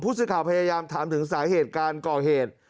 ผู้ชิดข่าวพยายามถามถามถึงสาเหตุการก่อเหตุ